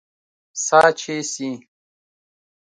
سا چې سي